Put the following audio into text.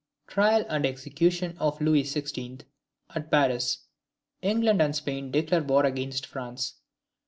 Trial and execution of Louis XVI. at Paris. England and Spain declare war against France.